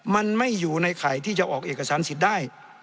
มันไม่อยู่ในไข่ที่จะออกเอกสารสิทธิ์ได้